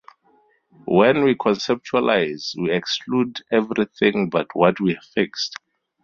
When we conceptualize, we exclude everything but what we have fixed.